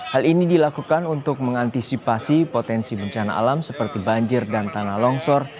hal ini dilakukan untuk mengantisipasi potensi bencana alam seperti banjir dan tanah longsor